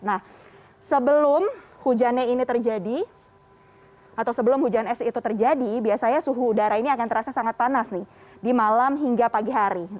nah sebelum hujannya ini terjadi atau sebelum hujan es itu terjadi biasanya suhu udara ini akan terasa sangat panas nih di malam hingga pagi hari